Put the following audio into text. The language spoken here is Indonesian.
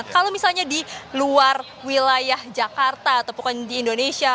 kalau misalnya di luar wilayah jakarta atau pokoknya di indonesia